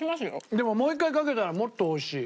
でももう１回かけたらもっとおいしい。